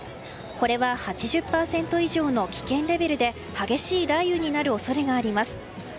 これは８０％以上の危険レベルで激しい雷雨になる恐れがあります。